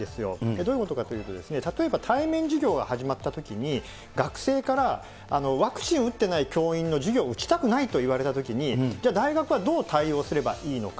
どういうことかというと、例えば対面授業が始まったときに、学生からワクチン打ってない教員の授業受けたくないと言われたときに、じゃあ、大学はどう対応すればいいのか。